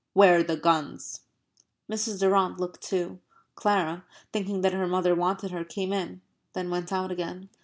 "Where are the guns?" Mrs. Durrant looked too. Clara, thinking that her mother wanted her, came in; then went out again.